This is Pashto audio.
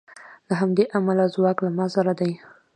له همدې امله ځواک له ما سره دی